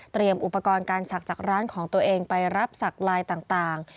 อุปกรณ์การศักดิ์จากร้านของตัวเองไปรับสักลายต่าง